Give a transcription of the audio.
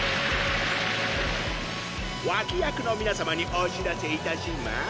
脇役の皆さまにお知らせいたします！